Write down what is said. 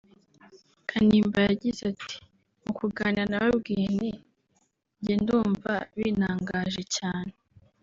Kanimba yagize ati “Mu kuganira nababwiye nti ‘njye ndumva bintangaje cyane